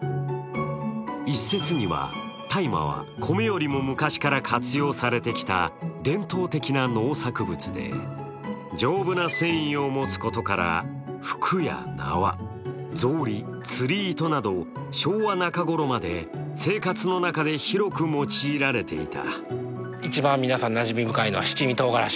一説には、大麻は米よりも昔から活用されてきた伝統的な農作物で丈夫な繊維を持つことから服や縄、草履、釣り糸など昭和中ごろまで生活の中で広く用いられていた。